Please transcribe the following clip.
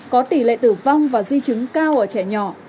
có tỷ lệ tử vong và di chứng cao ở trẻ nhỏ